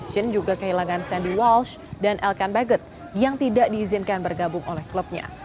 shin juga kehilangan sandy walsh dan elkan baget yang tidak diizinkan bergabung oleh klubnya